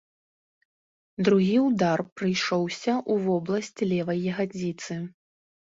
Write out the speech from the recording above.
Другі ўдар прыйшоўся ў вобласць левай ягадзіцы.